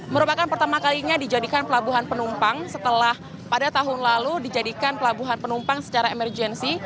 merupakan pertama kalinya dijadikan pelabuhan penumpang setelah pada tahun lalu dijadikan pelabuhan penumpang secara emergensi